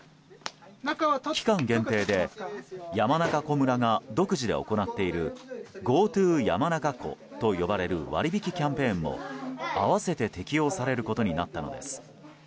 期間限定で山中湖村が独自で行っているＧｏＴｏ山中湖と呼ばれる割引キャンペーンも合わせて適用されることになったのです。